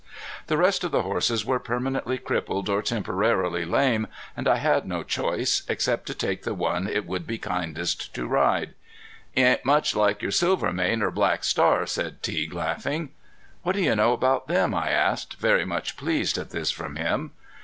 The rest of the horses were permanently crippled or temporarily lame, and I had no choice, except to take the one it would be kindest to ride. "He ain't much like your Silvermane or Black Star," said Teague, laughing. "What do you know about them?" I asked, very much pleased at this from him.